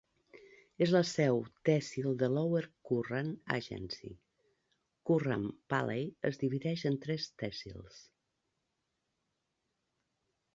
És la seu tehsil de Lower Kurram Agency. Kurram Valley es divideix en tres tehsils.